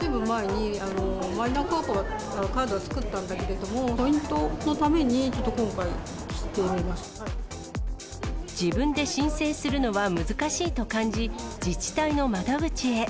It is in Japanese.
ずいぶん前に、マイナカードは作ったんだけれども、ポイントのためにちょっと今自分で申請するのは難しいと感じ、自治体の窓口へ。